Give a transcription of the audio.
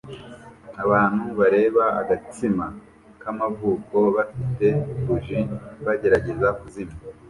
Abantu bareba agatsima k'amavuko bafite buji bagerageza kuzimya